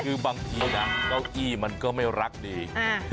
คือบางทีเนี้ยเง้ออี้มันก็ไม่รักเอง